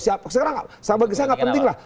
sekarang sampai saya gak penting lah